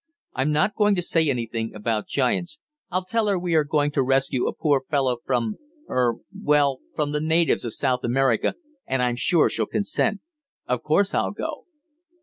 "I'm not going to say anything about giants. I'll tell her we are going to rescue a poor fellow from er well from the natives of South America, and I'm sure she'll consent. Of course I'll go."